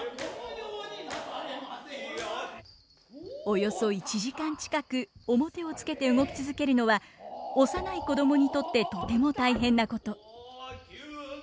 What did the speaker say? およそ１時間近く面をつけて動き続けるのは幼い子供にとってとても大変なこと。